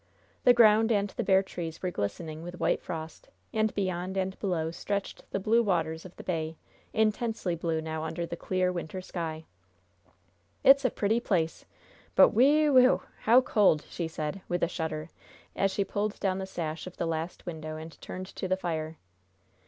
The ground and the bare trees were glistening with white frost, and beyond and below stretched the blue waters of the bay, intensely blue now under the clear, winter sky. "It's a pretty place, but, whewew! how cold!" she said, with a shudder, as she pulled down the sash of the last window and turned to the fire.